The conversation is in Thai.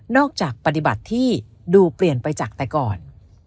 จากปฏิบัติที่ดูเปลี่ยนไปจากแต่ก่อน